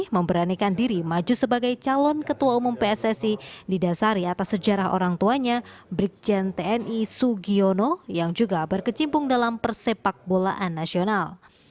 memberanikan diri maju sebagai calon ketua umum pssi didasari atas sejarah orang tuanya brikjen tni sugiono yang juga berkecimpung dalam persepak bolaan nasional